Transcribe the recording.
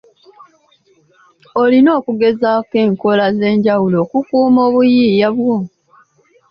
Olina okugezaako enkola ez'enjawulo okukuuma obuyiiya bwo.